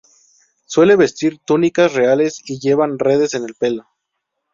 Suele vestir túnicas reales y llevar redes en el pelo.